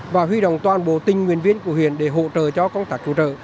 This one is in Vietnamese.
và huy động toàn bộ tình nguyên viên của huyền để hỗ trợ cho công tác cứu trợ